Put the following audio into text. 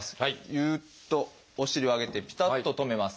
ぎゅっとお尻を上げてぴたっと止めます。